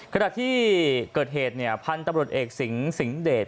ขณะที่เกิดเหตุพันธุ์ตำรวจเอกสิงสิงห์เดช